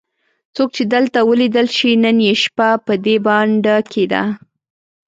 څوک چې دلته ولیدل شي نن یې شپه په دې بانډه کې ده.